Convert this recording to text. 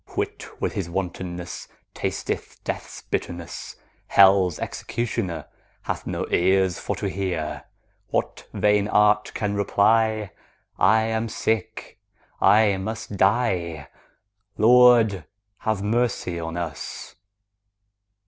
Wit with his wantonness Tasteth death's bitterness; 30 Hell's executioner Hath no ears for to hear What vain art can reply; I am sick, I must die— Lord, have mercy on us!